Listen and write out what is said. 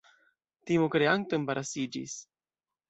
Timokreanto embarasiĝis.